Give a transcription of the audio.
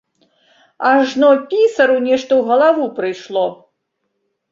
Ажно пісару нешта ў галаву прыйшло.